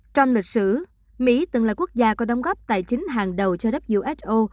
trong lịch sử mỹ từng là quốc gia có đóng góp tài chính hàng đầu cho who